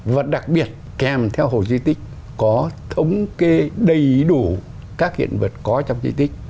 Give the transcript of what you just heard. và đặc biệt kèm theo hồ di tích có thống kê đầy đủ các hiện vật có trong di tích